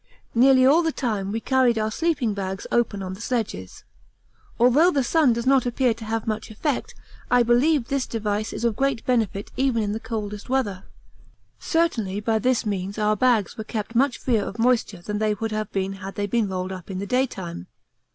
Nearly all the time we carried our sleeping bags open on the sledges. Although the sun does not appear to have much effect, I believe this device is of great benefit even in the coldest weather certainly by this means our bags were kept much freer of moisture than they would have been had they been rolled up in the daytime.